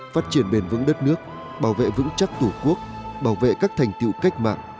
phát triển bền vững đất nước bảo vệ vững chắc tổ quốc bảo vệ các thành tiệu cách mạng